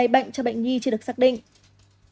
bệnh cho bệnh nhi chưa được xác định